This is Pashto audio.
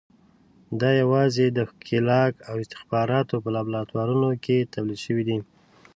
دا یوازې د ښکېلاک او استخباراتو په لابراتوارونو کې تولید شوي دي.